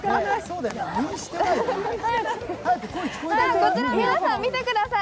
こちら、皆さん、見てください。